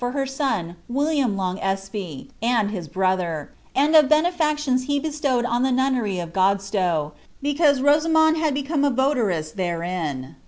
for her son Willium Long Espee and hia bro thrr, and of benefactions he bestowed on the nunnery of Oodatow, btRuue Rotoinond had beeome a votaress therein.